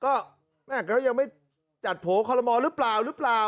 ก็แม่ก็ยังไม่จัดโผล่คอลโมหรือเปล่าหรือเปล่า